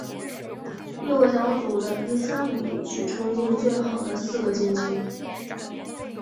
六个小组的第三名取成绩最好的四个晋级。